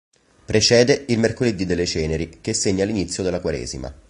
Precede il mercoledì delle ceneri che segna l'inizio della Quaresima.